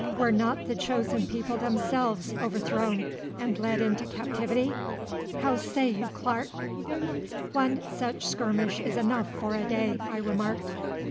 Were not the chosen people themselves overthrown and led into captivity? How say you, Clarke?' 'One such skirmish is enough for a day,' I remarked.